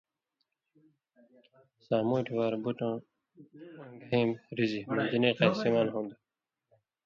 ساموٹھیۡ وار 'بٹہ وَیں گَھیں رِزی' منجنیقاں استعمال ہُون٘دوۡ: